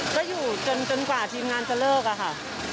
ก็อยู่จนกว่าทีมงานจะเลิกอะค่ะ